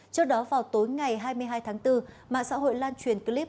trước đó vào tối ngày hai mươi hai tháng bốn mạng xã hội lan truyền clip